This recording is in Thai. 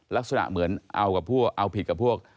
ลักษณะเหมือนเอาผิดกับพวก